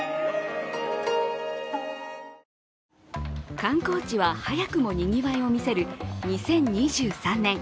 観光地は早くもにぎわいを見せる２０２３年。